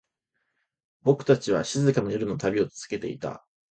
僕たちは、静かな夜の旅を続けていた。